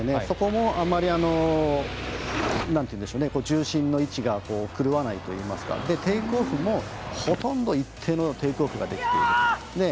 そこも、あまり重心の位置が狂わないといいますかテイクオフも、ほとんど一定のテイクオフができている。